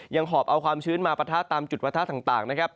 หอบเอาความชื้นมาปะทะตามจุดประทะต่างนะครับ